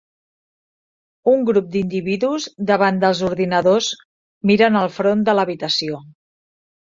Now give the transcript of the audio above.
Un grup d'individus davant dels ordinadors miren al front de l'habitació.